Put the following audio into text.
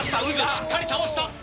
しっかり倒した。